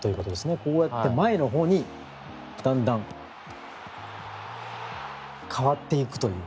こうやって前のほうにだんだん変わっていくという。